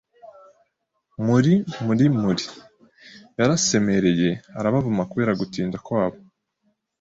“Muri, muri, muri!” yarasemereye, arabavuma kubera gutinda kwabo.